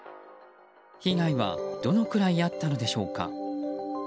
被害はどのくらいあったのでしょうか。